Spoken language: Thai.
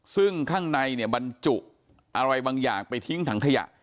ซึ่งข้างในเนี่ยบรรจุอะไรบางอย่างไปทิ้งถังขยะ